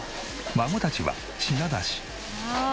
孫たちは品出し。